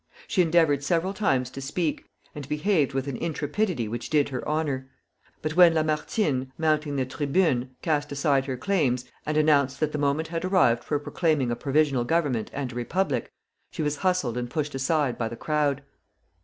She endeavored several times to speak, and behaved with an intrepidity which did her honor. But when Lamartine, mounting the tribune, cast aside her claims, and announced that the moment had arrived for proclaiming a provisional government and a republic, she was hustled and pushed aside by the crowd.